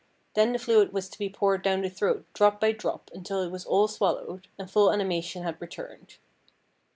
Then the fluid was to be poured down the throat drop by drop, until it was all swallowed, and full animation had returned.